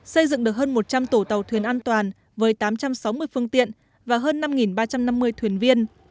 xây dựng được hơn một trăm linh tổ tàu thuyền an toàn với tám trăm sáu mươi phương tiện và hơn năm ba trăm năm mươi thuyền viên